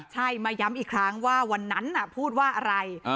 ใช่มาย้ำอีกครั้งว่าวันนั้นพูดว่าอะไร